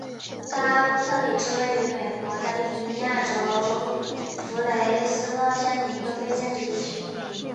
克拉布特里是位于美国加利福尼亚州弗雷斯诺县的一个非建制地区。